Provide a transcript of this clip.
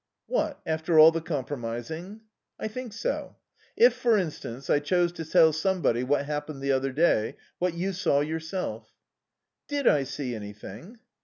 "What, after all the compromising?" "I think so. If, for instance, I chose to tell somebody what happened the other day, what you saw yourself." "Did I see anything?"